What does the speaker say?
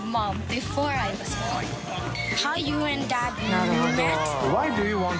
なるほど。